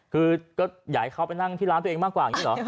คือก็อยากให้เขาไปนั่งที่ร้านตัวเองมากกว่าอย่างนี้เหรอ